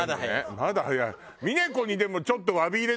まだ早い。